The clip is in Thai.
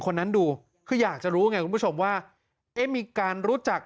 คุณผู้ชมว่ามีการรู้จัก